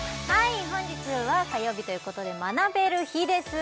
本日は火曜日ということで学べる日です